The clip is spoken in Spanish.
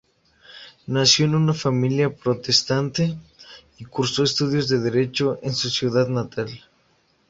Nació en una familia protestante y cursó estudios de Derecho en su ciudad natal.